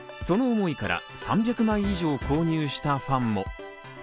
その思いから３００枚以上を購入したファンも。